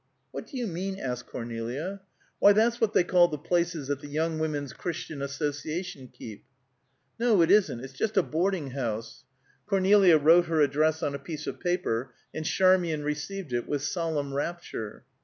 "What do you mean?" asked Cornelia. "Why, that's what they call the places that the Young Women's Christian Association keep." "No, it isn't. It's just a boarding house." Cornelia wrote her address on a piece of paper, and Charmian received it with solemn rapture.